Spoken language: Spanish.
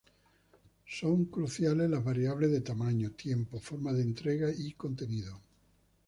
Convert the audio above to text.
Son cruciales las variables de tamaño, tiempo, forma de entrega y contenido.